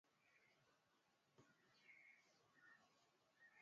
naam nikiangalia wakati ni saa mbili na dakika thelathini na nne basi nakualika